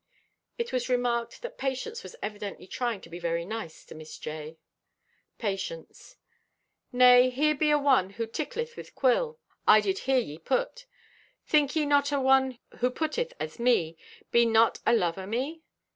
It was remarked that Patience was evidently trying to be very nice to Miss J. Patience.—"Nay, here be a one who tickleth with quill, I did hear ye put. Think ye not a one who putteth as me, be not a love o' me?